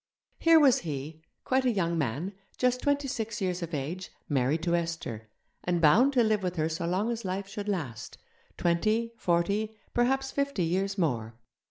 Here was he, quite a young man, just twenty six years of age, married to Esther, and bound to live with her so long as life should last twenty, forty, perhaps fifty years more.